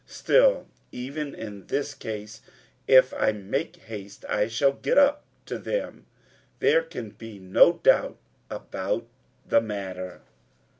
Still, even in this case, if I make haste, I shall get up to them. There can be no doubt about the matter."